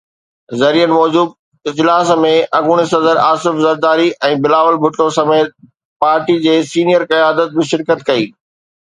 ذريعن موجب اجلاس ۾ اڳوڻي صدر آصف زرداري ۽ بلاول ڀٽو سميت پارٽي جي سينيئر قيادت به شرڪت ڪئي.